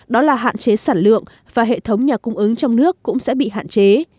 đó là hạn chế sản lượng và hệ thống nhà cung ứng trong nước cũng sẽ bị hạn chế